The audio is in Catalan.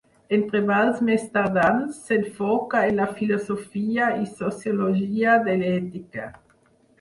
En treballs més tardans, s'enfoca en la filosofia i sociologia de l'ètica.